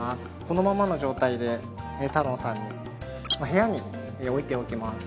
このまんまの状態でタロウさんに部屋に置いておきます